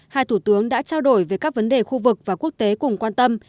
hai thủ tướng đã trao đổi về các vấn đề khu vực và quốc tế cùng quan tâm